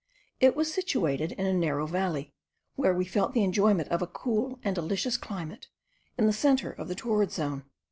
It was situated in a narrow valley, where we felt the enjoyment of a cool and delicious climate, in the centre of the torrid zone.